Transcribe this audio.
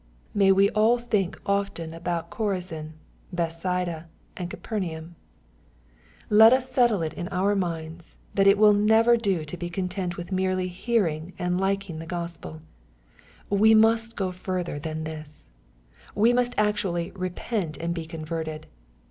May we all think often about Chorazin, Bethsaida, and Capernaum 1 Let us settle it in our minds that it will never do to be content with merely hearing and liking the Gospel, We must go fiirther than this. We must actually " I'epent and be converted."